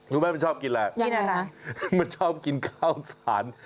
รู้ไหมมันชอบกินอะไรกินอะไรมันชอบกินข้าวสาร